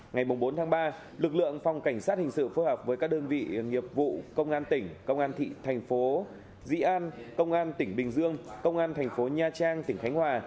ngày bốn tháng ba lực lượng phòng cảnh sát hình sự phối hợp với các đơn vị nghiệp vụ công an tỉnh công an thị thành phố dĩ an công an tỉnh bình dương công an thành phố nha trang tỉnh khánh hòa